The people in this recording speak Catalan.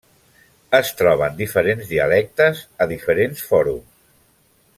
Es troben diferents dialectes a diferents fòrums.